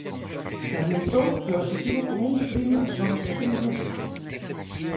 Salientou que o obxectivo común prima sobre os pequenos matices.